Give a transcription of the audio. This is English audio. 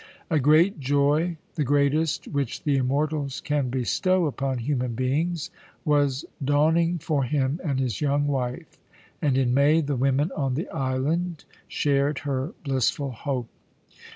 A great joy the greatest which the immortals can bestow upon human beings was dawning for him and his young wife, and in May the women on the island shared her blissful hope.